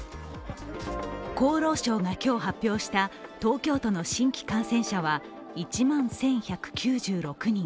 厚労省が今日発表した東京都の新規感染者は１万１１９６人。